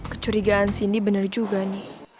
pencurigaan cindy bener juga nih